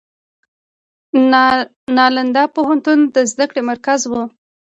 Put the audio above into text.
نالندا پوهنتون د زده کړې مرکز و.